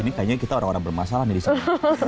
ini kayaknya kita orang orang bermasalah nih disana